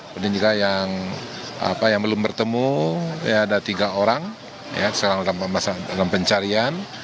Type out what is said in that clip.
kemudian juga yang apa yang belum bertemu ya ada tiga orang ya sekarang dalam masakan dalam pencarian